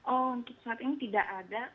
oh untuk saat ini tidak ada